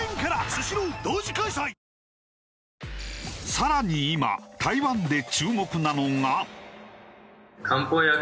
更に今台湾で注目なのが。